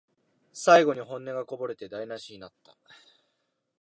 最後に本音がこぼれて台なしになった